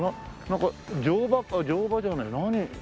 なんか乗馬乗馬じゃない何？